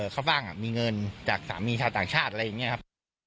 เขาบ้างมีเงินจากสามีชาวต่างชาติอะไรอย่างนี้ครับ